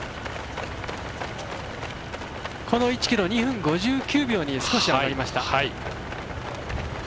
この１ｋｍ、２分５９秒に少し上がりました。